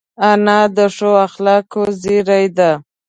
انا د ښو اخلاقو زېری ده